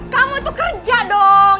kamu itu kerja dong